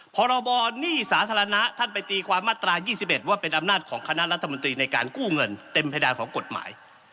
พรบหนี้สาธารณะท่านไปตีความมาตรา๒๑ว่าเป็นอำนาจของคณะรัฐมนตรีในการกู้เงินเต็มเพดานของกฎหมาย